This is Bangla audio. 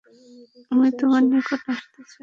আমি তোমার নিকট আসতে চাই।